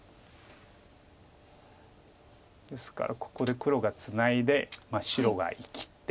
ですからここで黒がツナいで白が生きて。